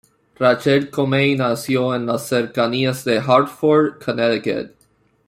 Rachel Comey nació en las cercanías de Hartford, Connecticut.